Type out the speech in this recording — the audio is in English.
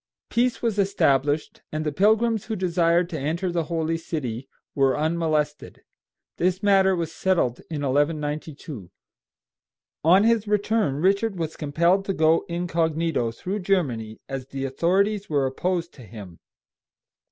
Peace was established, and the pilgrims who desired to enter the holy city were unmolested. This matter was settled in 1192. On his return Richard was compelled to go incog. through Germany, as the authorities were opposed to him.